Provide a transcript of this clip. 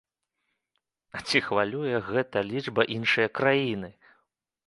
А ці хвалюе гэта лічба іншыя краіны?